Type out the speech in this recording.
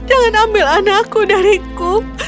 jangan ambil anakku dariku